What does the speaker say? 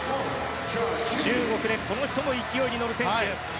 中国でこの人も勢いに乗る選手。